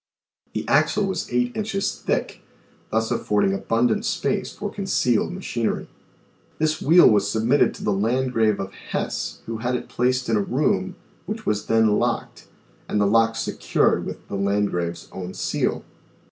The axle was 8 inches thick, thus affording abundant space fop concealed machinery. This wheel was submitted to the Landgrave of Hesse who had it placed in a room which was then locked, and the lock secured with the Landgrave's own seal.